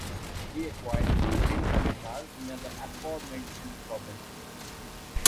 He acquired two encomiendas near the aforementioned province.